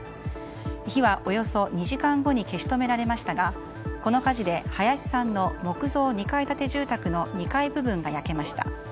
火は、およそ２時間後に消し止められましたがこの火事で林さんの木造２階建て住宅の２階部分が焼けました。